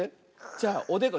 じゃあおでこ。